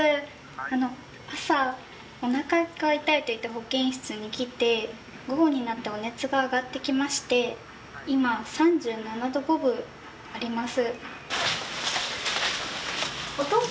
あの朝おなかが痛いって言って保健室に来て午後になってお熱が上がってきまして今３７度５分あります。